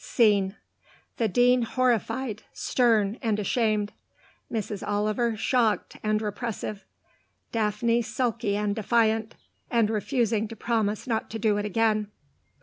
Scene: the Dean horrified, stern, and ashamed; Mrs. Oliver shocked and repressive; Daphne sulky and defiant, and refusing to promise not to do it again.